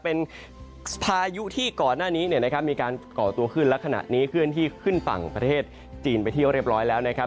เป็นพายุที่ก่อนหน้านี้มีการก่อตัวขึ้นและขนาดนี้ขึ้นที่ขึ้นฝั่งประเทศจีนไปเที่ยวเรียบร้อยแล้วนะครับ